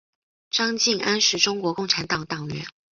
张敬安是中国共产党党员。